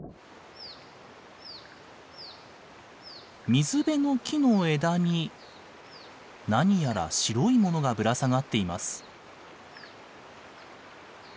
水辺の木の枝に何やら白いものがぶら下がっています。